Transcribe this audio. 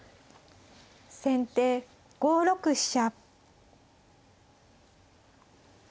先手５六飛車。